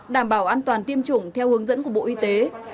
đảm bảo an toàn tiêm chủng theo hướng dẫn của bộ y tế